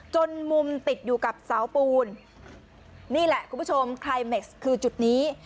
จนมุมติดอยู่กับเสาปูนนี่แหละคุณผู้ชมคลายเม็กซ์คือจุดนี้